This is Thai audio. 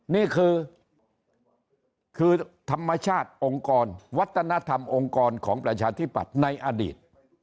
นี่คือธรรมชาติองค์กรวัฒนธรรมองค์กรของประชาธิปัตย์ในอดีต